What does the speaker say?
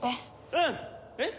うん！えっ？